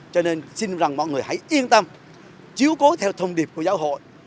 cho nên xin rằng mọi người hãy yên tâm chiếu cố theo thông điệp của giáo hội